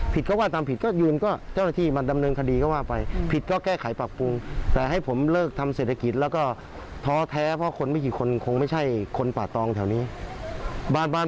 ผมก็ขอให้ปล่อยไปตามกฎหมายกันละกัน